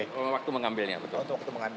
untuk waktu mengambilnya